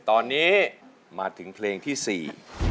ตอนนี้มาถึงเพลงที่สี่